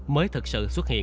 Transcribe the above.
mới thực sự xuất hiện